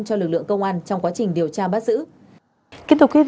cho lực lượng công an trong quá trình điều tra bắt giữ